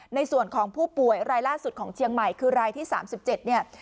ในส่วนของผู้ป่วยรายล่าสุดของเชียงใหม่คือรายที่๓๗เนี่ย